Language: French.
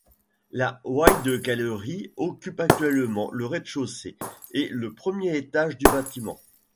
La Wild Gallery occupe actuellement le rez-de-chaussée et le premier étage du bâtiment.